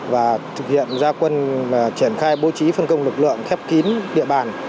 và thực hiện gia quân triển khai bố trí phân công lực lượng khép kín địa bàn